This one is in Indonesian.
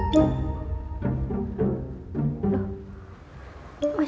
aduh duduk duduk